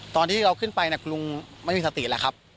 ตอนที่เราขึ้นไปคุณลุงไม่มีสติแล้วครับ